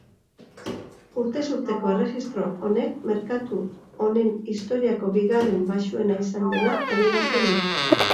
Urtez urteko erregistro honek merkatu honen historiako bigarren baxuena izan dela adierazten du.